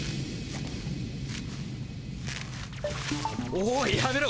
おいやめろ。